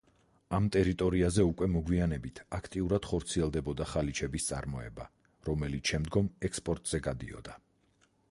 ამ ტერიტორიაზე უკვე მოგვიანებით აქტიურად ხორციელდებოდა ხალიჩების წარმოება, რომელიც შემდგომ ექსპორტზე გადიოდა.